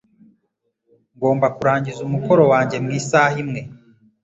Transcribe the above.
Ngomba kurangiza umukoro wanjye mu isaha imwe.